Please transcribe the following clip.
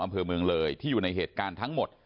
อำเภอเมืองเลยที่อยู่ในเหตุการณ์ทั้งหมด